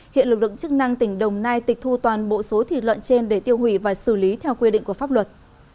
hiện lực lượng chức năng tỉnh đồng nai tịch thu toàn bộ số thịt lợn trên để tiêu hủy và xử lý theo quy định của pháp luật